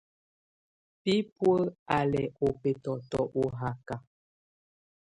Bibuǝ́ á lɛ ɔ́ bɛtɔtɔ ɔ haka.